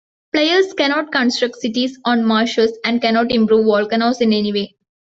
Players cannot construct cities on marshes, and cannot improve volcanoes in any way.